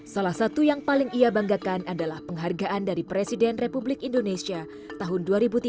salah satu yang paling ia banggakan adalah penghargaan dari presiden republik indonesia tahun dua ribu tiga belas